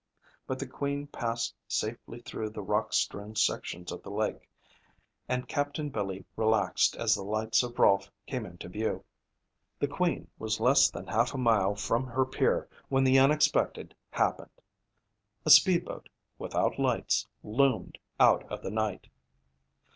But the Queen passed safely through the rock strewn sections of the lake and Captain Billy relaxed as the lights of Rolfe came into view. The Queen was less than half a mile from her pier when the unexpected happened. A speed boat, without lights, loomed out of the night.